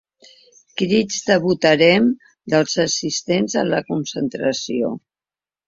Crits de ‘votarem’ dels assistents a la concentració.